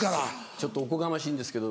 ちょっとおこがましいんですけど。